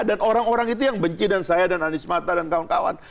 dan orang orang itu yang benci dengan saya dan anies mata dan kawan kawan